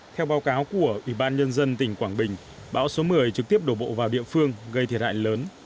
theo báo cáo của ủy ban nhân dân tỉnh quảng bình bão số một mươi trực tiếp đổ bộ vào địa phương gây thiệt hại lớn